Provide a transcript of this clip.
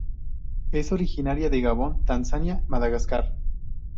Es originaria de Gabón, Tanzania, Madagascar.